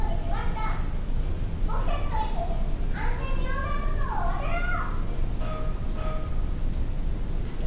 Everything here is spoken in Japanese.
ぼくたちといっしょにあんぜんにおうだんほどうをわたろう！